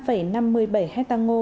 năm năm mươi bảy hecta lúa mạ